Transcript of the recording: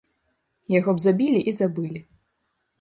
Яго б забілі і забылі.